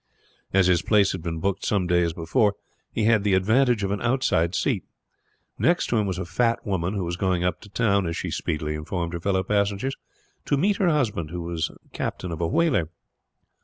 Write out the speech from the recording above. As his place had been booked some days before, he had the advantage of an outside seat. Next to him was a fat woman, who was going up to town, as she speedily informed her fellow passengers, to meet her husband, who was captain of a whaler.